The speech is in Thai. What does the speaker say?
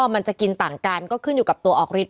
มันจะกินต่างกันก็ขึ้นอยู่กับตัวออกฤทธ